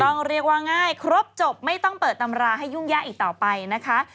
เรียกว่าง่ายครบจบไม่ต้องเปิดตำราให้ยุ่งยากอีกต่อไปนะคะ